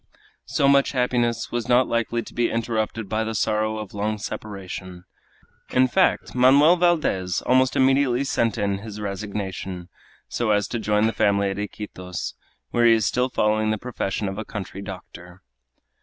So much happiness was not likely to be interrupted by the sorrow of long separation. In fact, Manoel Valdez almost immediately sent in his resignation, so as to join the family at Iquitos, where he is still following the profession of a country doctor.